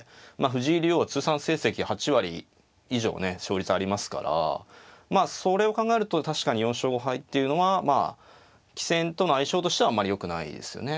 藤井竜王は通算成績が８割以上ね勝率ありますからそれを考えると確かに４勝５敗っていうのはまあ棋戦との相性としてはあんまりよくないですよね。